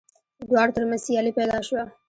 د دواړو تر منځ سیالي پیدا شوه